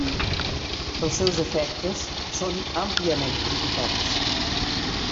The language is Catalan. Els seus efectes són àmpliament criticats.